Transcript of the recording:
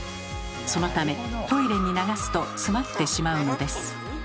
そのためトイレに流すとつまってしまうのです。